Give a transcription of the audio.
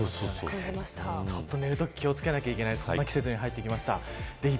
寝るとき気を付けないといけないそんな季節に入ってきました。